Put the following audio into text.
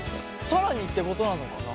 更にってことなのかな。